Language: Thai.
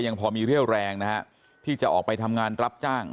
พอมีเรี่ยวแรงนะฮะที่จะออกไปทำงานรับจ้าง